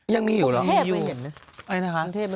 ยังมีอยู่หรอ